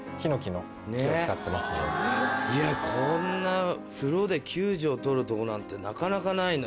いやこんな風呂で９帖取るとこなんてなかなかないのに。